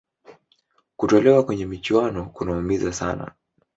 kutolewa kwenye michuano kunaumiza sana